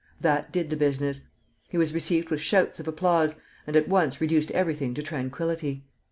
That did the business. He was received with shouts of applause, and at once reduced everything to tranquillity.